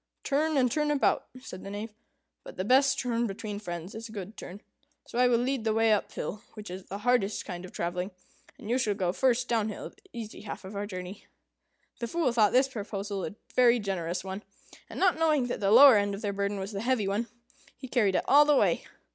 "Turn, and turn about," said the Knave; "but the best turn between friends is a good turn; so I will lead the way up hill, which is the hardest kind of travelling, and you shall go first down hill, the easy half of our journey." The Fool thought this proposal a very generous one, and, not knowing that the lower end of their burden was the heavy one, he carried it all the way.